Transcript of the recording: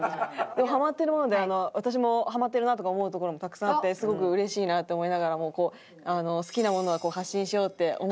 でもハマってるもので私もハマってるなとか思うところもたくさんあってすごくうれしいなって思いながらも好きなものは発信しようって思いました。